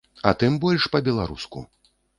А тым больш па-беларуску.